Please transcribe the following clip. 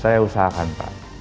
saya usahakan pak